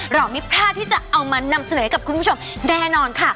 เราไม่พลาดที่จะเอามานำเสนอให้กับคุณผู้ชมแน่นอนค่ะ